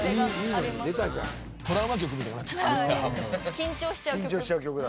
緊張しちゃう曲。